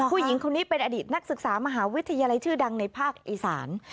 ผู้หญิงคนนี้เป็นอดีตนักศึกษามหาวิทยาลัยชื่อดังในภาคอีสาน